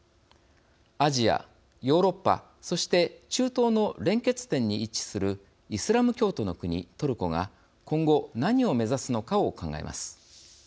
アジア、ヨーロッパそして、中東の連結点に位置するイスラム教徒の国、トルコが今後、何を目指すのかを考えます。